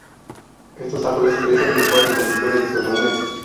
Estos árboles crecen mejor en condiciones de suelo húmedo.